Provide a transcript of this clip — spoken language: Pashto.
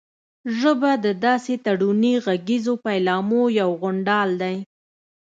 ژبه د داسې تړوني غږیزو پيلامو یو غونډال دی